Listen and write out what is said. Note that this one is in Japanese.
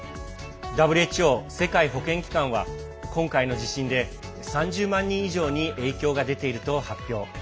ＷＨＯ＝世界保健機関は今回の地震で３０万人以上に影響が出ていると発表。